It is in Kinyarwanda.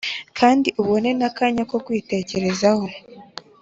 kandi ubone n akanya ko kwitekerezaho.